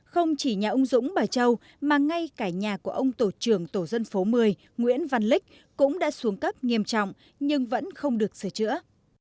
không chỉ nhà ông dũng bà châu mà ngay cả nhà của ông tổ trưởng tổ dân phố một mươi nguyễn văn lít cũng đã xuống cấp nghiêm trọng nhưng vẫn không được sửa chữa